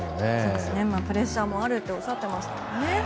プレッシャーもあるとおっしゃってましたもんね。